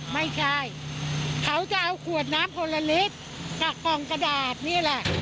ไม่ใช่เขาจะเอาควดน้ำโคลาลิสต์ในกองกระดาษนี่แหละ